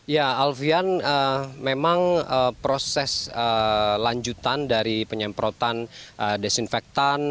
ya alfian memang proses lanjutan dari penyemprotan desinfektan